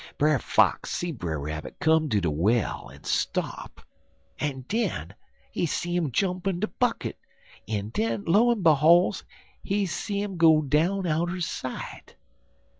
Brer Fox see Brer Rabbit come to de well en stop, en den he see 'im jump in de bucket, en den, lo en behol's, he see 'im go down outer sight.